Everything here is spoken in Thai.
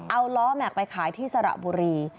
เอาล้อแม็กซไปขายที่สระบุรี